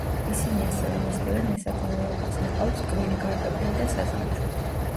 ისინი ასევე მისდევენ მესაქონლეობას, მოყავთ ტკბილი კარტოფილი და საზამთრო.